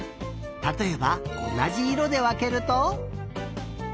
たとえばおなじいろでわけると。